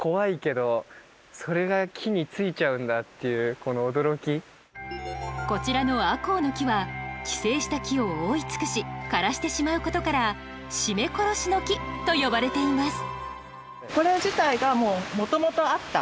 本君が注目したのはこちらのアコウの木は寄生した木を覆い尽くし枯らしてしまうことから「絞め殺しの木」と呼ばれています